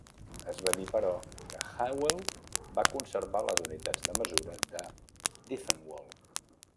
Es va dir, però, que Hywel va conservar les unitats de mesura de Dyfnwal.